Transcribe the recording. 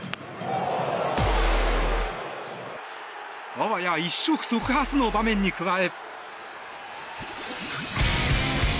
あわや一触即発の場面に加え。